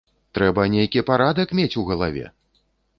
Трэба нейкі парадак мець у галаве!